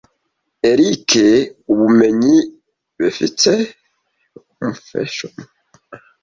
eriko ubumenyi befite bubefeshemo